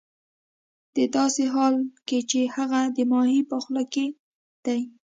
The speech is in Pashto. ه داسې حال کې چې هغه د ماهي په خوله کې دی